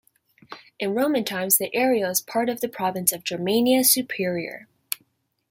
In Roman times, the area was part of the province of Germania Superior.